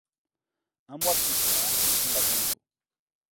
Un mois plus tard, il combat à nouveau.